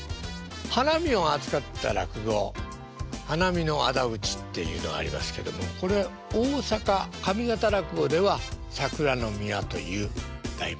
花見を扱った落語「花見の仇討」っていうのがありますけどもこれ大阪上方落語では「桜の宮」という題名なんですね。